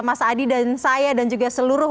mas adi dan saya dan juga seluruh